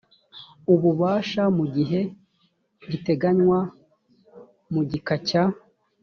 ububasha mu gihe giteganywa mu gika cya